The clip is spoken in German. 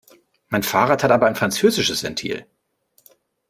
Mein Fahrrad hat aber ein französisches Ventil.